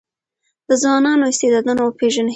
د ځوانانو استعدادونه وپېژنئ.